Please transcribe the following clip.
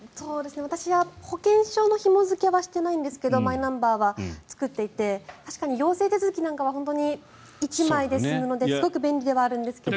私は保険証のひも付けはしてないんですがマイナンバーは作っていて確かに行政手続きなんかは本当に１枚で済むのですごく便利ではあるんですけど。